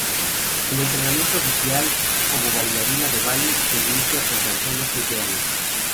El entrenamiento oficial como bailarina de Bali se inicia con tan solo siete años.